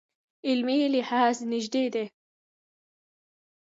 عملي لحاظ نژدې دي.